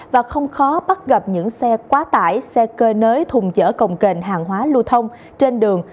và không khó bắt gặp những xe quá tải xe cơi nới thùng dỡ cồng kền hàng hóa lưu thông trên đường